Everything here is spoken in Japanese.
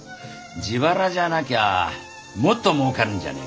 自腹じゃなきゃもっともうかるんじゃねえか？